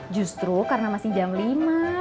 justru karena masih jam lima